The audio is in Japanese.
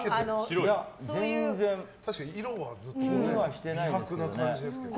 いや、全然気にはしてないですね。